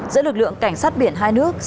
giữa lực lượng cảnh sát biển hai nước